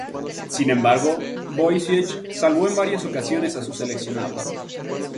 Sin embargo, Wojciech salvó en varias ocasiones a su seleccionado.